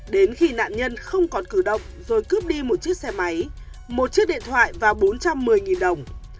đến khi nạn nhân không còn cử động rồi cướp đi một chiếc xe máy một chiếc điện thoại và bốn trăm một mươi đồng